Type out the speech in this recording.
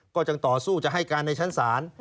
ก็ยังต่อสู้จะให้การในชั้นศาล